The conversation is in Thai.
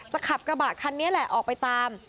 ขับกระบะคันนี้แหละออกไปตาม